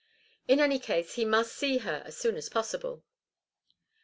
In any case he must see her as soon as possible.